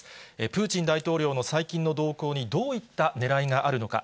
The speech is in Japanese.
プーチン大統領の最近の動向にどういったねらいがあるのか。